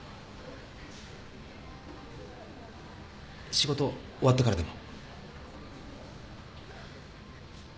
仕事終わってからでも。